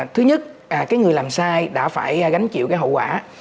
thứ nhất cái người làm sai đã phải gánh chịu cái hậu quả